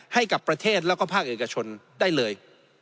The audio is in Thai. ให้กับประเทศแล้วก็ภาคเอกชนได้เลย